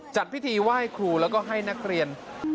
จัดพิธีไหว้ครูแล้วก็ให้นักเรียน